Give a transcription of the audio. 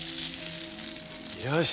よし。